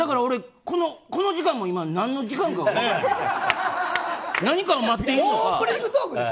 この時間も今何の時間か分からない。